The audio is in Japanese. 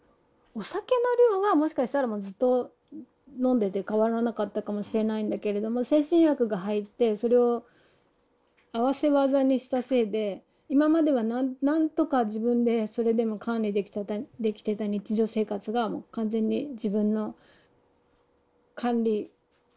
お酒の量はもしかしたらもうずっと飲んでて変わらなかったかもしれないんだけれども精神薬が入ってそれを合わせ技にしたせいで今まではなんとか自分でそれでも管理できてた日常生活が完全に自分の管理できないものになってしまった。